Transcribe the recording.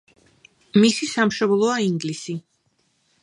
მისი სამშობლოა ინგლისი.